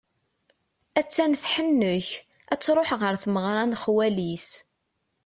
Att-an tḥennek, ad truḥ ɣer tmeɣra n xwali-s.